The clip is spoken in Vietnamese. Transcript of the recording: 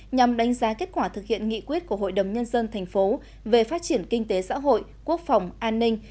nhằm đánh giá kết quả thực hiện nghị quyết của hội đồng nhân dân thành phố về phát triển kinh tế xã hội quốc phòng an ninh